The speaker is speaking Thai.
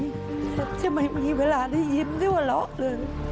แบบจะไม่มีเวลาได้ยิ้มหรอกเลย